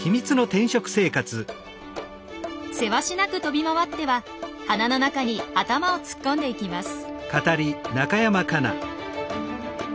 せわしなく飛び回っては花の中に頭を突っ込んでいきます。